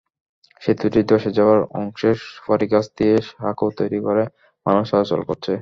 সেতুটির ধসে যাওয়া অংশে সুপারিগাছ দিয়ে সাঁকো তৈরি করে মানুষ চলাচল করছে।